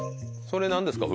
それ何ですか？